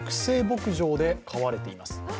牧場で飼われています。